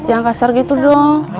jangan kasar gitu dong